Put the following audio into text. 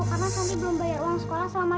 karena nanti belum bayar uang sekolah selama